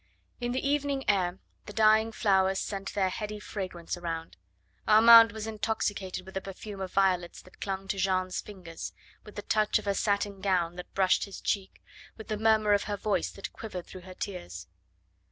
In the evening air the dying flowers sent their heady fragrance around. Armand was intoxicated with the perfume of violets that clung to Jeanne's fingers, with the touch of her satin gown that brushed his cheek, with the murmur of her voice that quivered through her tears.